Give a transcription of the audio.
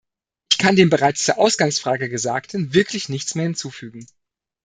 Ich kann dem bereits zur Ausgangsfrage Gesagten wirklich nichts mehr hinzufügen.